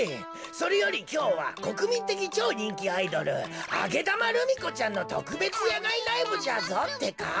それよりきょうはこくみんてきちょうにんきアイドルあげだまルミ子ちゃんのとくべつやがいライブじゃぞってか。